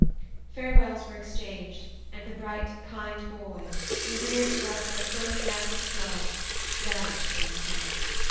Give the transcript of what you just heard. Farewells were exchanged, and the bright, kind boy, endeared to us by so many acts of love, vanished from our sight.